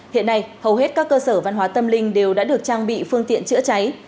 hiện nay hầu hết các cơ sở văn hóa tâm linh đều đã được trang bị phương tiện chữa cháy